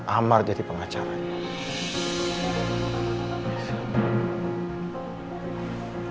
amar jadi pengacaranya